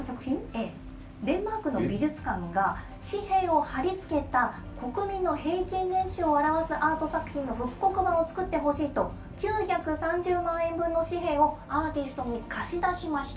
デンマークの美術館が、紙幣を貼り付けた国民の平均年収を表すアート作品の復刻版を作ってほしいと、９３０万円分の紙幣をアーティストに貸し出しました。